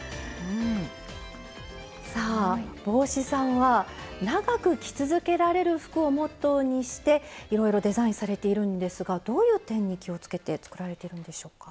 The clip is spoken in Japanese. さあ帽子さんは「長く着続けられる服」をモットーにしていろいろデザインされているんですがどういう点に気をつけて作られているんでしょうか。